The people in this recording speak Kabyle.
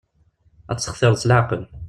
Ad tt-textireḍ s laɛqel.